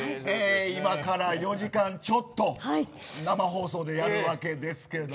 今から４時間ちょっと生放送でやるわけですけれども。